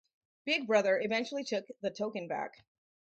Big Brother eventually took the token back.